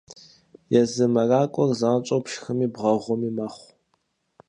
Езы мэракӏуэр занщӏэу пшхыми бгъэгъуми мэхъу.